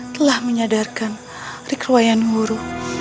telah menyadarkan rikruwayan wuru